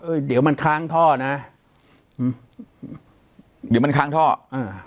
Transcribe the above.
เดี๋ยวมันค้างท่อนะอืมเดี๋ยวมันค้างท่ออ่า